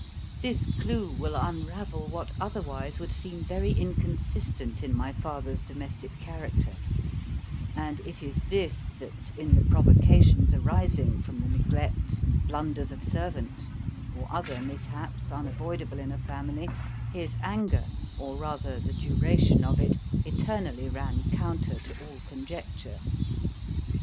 This clue will unravel what otherwise would seem very inconsistent in my father's domestic character; and it is this, that, in the provocations arising from the neglects and blunders of servants, or other mishaps unavoidable in a family, his anger, or rather the duration of it, eternally ran counter to all conjecture.